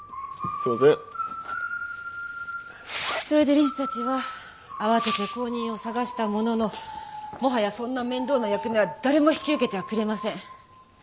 それで理事たちは慌てて後任を探したもののもはやそんな面倒な役目は誰も引き受けてはくれません。